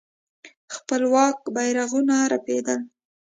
خپلواک بيرغونه رپېدل.